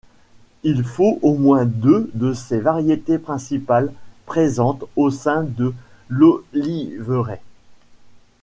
Il faut au moins deux de ces variétés principales présentes au sein de l'oliveraie.